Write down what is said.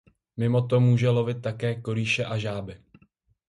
Mimo to může lovit také korýše a žáby.